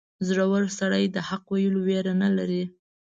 • زړور سړی د حق ویلو ویره نه لري.